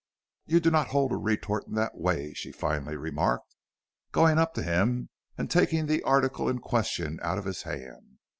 "You do not hold a retort in that way," she finally remarked, going up to him and taking the article in question out of his hand.